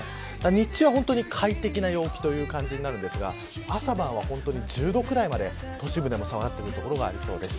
日中は快適な陽気という感じになりますが朝晩は１０度くらいまで都市部でも下がってくる所がありそうです。